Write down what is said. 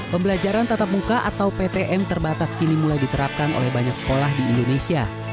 pembelajaran tatap muka atau ptm terbatas kini mulai diterapkan oleh banyak sekolah di indonesia